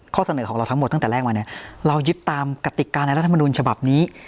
เสนอของเราทั้งหมดตั้งแต่แรกมาเนี่ยเรายึดตามกติการในรัฐมนุนฉบับนี้